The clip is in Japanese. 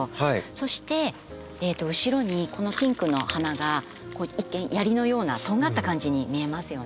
そして後ろにこのピンクの花が一見槍のようなとんがった感じに見えますよね。